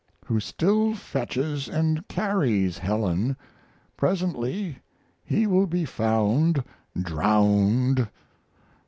] who still fetches and carries Helen. Presently he will be found drowned.